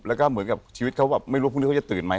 และก็ชีวิตเขาไปไม่รู้ว่าพรุ่งให้เขาจะตื่นมั้ย